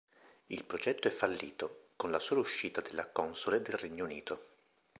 Il progetto è fallito, con la sola uscita della console nel Regno Unito.